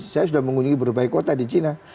saya sudah mengunjungi berbagai kota di cina